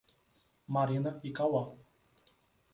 Marina e Cauã